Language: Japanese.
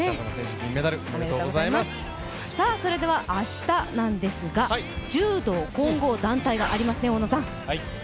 明日なんですが、柔道混合団体がありますね。